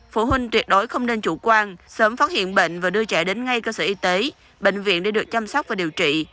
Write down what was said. phụ huynh tuyệt đối không nên chủ quan sớm phát hiện bệnh và đưa trẻ đến ngay cơ sở y tế bệnh viện để được chăm sóc và điều trị